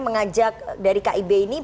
mengajak dari kib ini